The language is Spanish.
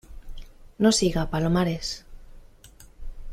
no siga, Palomares.